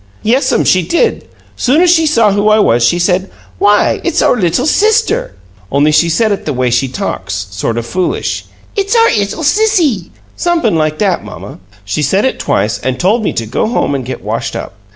"Yes'm, she did. Soon as she saw who I was, she said, 'Why, it's our little sister!' Only she said it that way she talks sort of foolish. 'It's our ittle sissy' somep'm like that, mamma. She said it twice an' told me to go home an' get washed up.